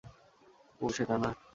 ও সেটা না।